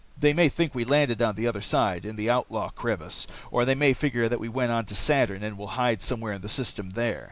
They may think we landed on the other side, in the Outlaw Crevice. Or they may figure that we went on to Saturn, and will hide somewhere in the system there.